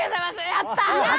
やった！